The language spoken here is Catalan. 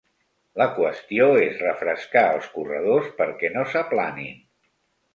La qüestió és refrescar els corredors perquè no s'aplanin.